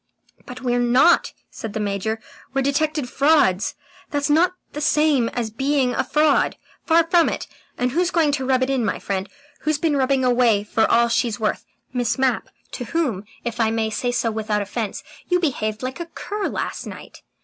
"But we're not," said the Major. "We're detected frauds! That's not the same as being a fraud; far from it. And who's going to rub it in, my friend? Who's been rubbing away for all she's worth? Miss Mapp, to whom, if I may say so without offence, you behaved like a cur last night."